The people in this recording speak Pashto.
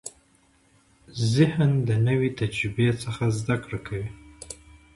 ذهن د نوې تجربې څخه زده کړه کوي.